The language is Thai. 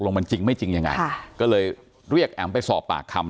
มันจริงไม่จริงยังไงค่ะก็เลยเรียกแอ๋มไปสอบปากคำ